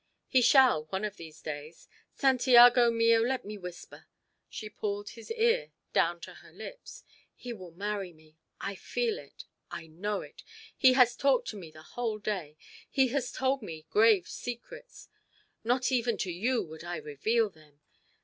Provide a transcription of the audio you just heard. "He shall one of these days. Santiago mio, let me whisper " She pulled his ear down to her lips. "He will marry me. I feel it. I know it. He has talked to me the whole day. He has told me grave secrets. Not even to you would I reveal them.